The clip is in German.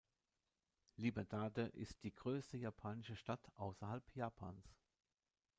Liberdade ist die größte japanische Stadt außerhalb Japans.